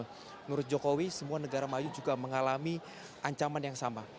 menurut jokowi semua negara maju juga mengalami ancaman yang sama